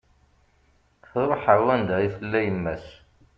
Truḥ ar wanda i tella yemma-s